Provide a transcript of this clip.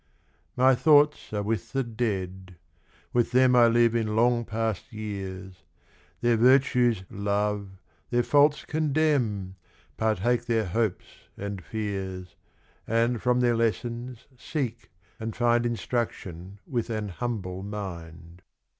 My thoughts are with the Dead, with them I live in long past years, Their virtues love, their faults condemn, Partake their hopes and fears, And from their lessons seek and find Instruction with an humble mind.